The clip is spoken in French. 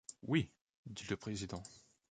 Oui, dit le président.